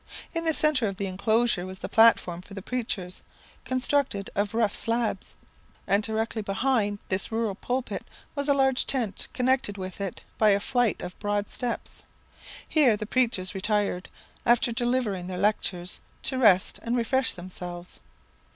In the centre of the enclosure was the platform for the preachers, constructed of rough slabs, and directly behind this rural pulpit was a large tent connected with it by a flight of board steps. Here the preachers retired, after delivering their lectures, to rest and refresh themselves.